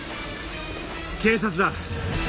警察だ。